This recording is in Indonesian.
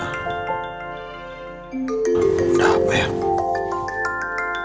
udah apa ya